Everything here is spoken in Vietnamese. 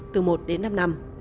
từ một đến năm năm